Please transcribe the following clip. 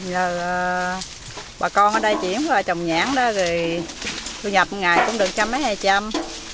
giờ bà con ở đây chuyển qua trồng nhãn đó thì thu nhập một ngày cũng được trăm mấy hai trăm